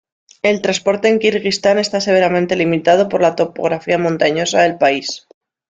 El transporte en Kirguistán está severamente limitado por la topografía montañosa del país.